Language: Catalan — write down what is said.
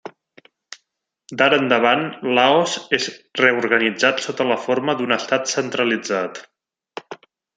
D'ara endavant, Laos és reorganitzat sota la forma d'un Estat centralitzat.